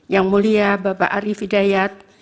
yang mulia bapak ari fidayat